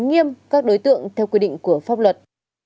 nghiêm các đối tượng theo quy định của pháp luật